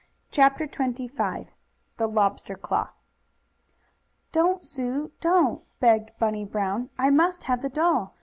CHAPTER XXV THE LOBSTER CLAW "Don't, Sue, don't!" begged Bunny Brown. "I must have the doll.